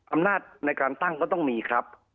อำนาจในการตั้งก็ต้องมีครับ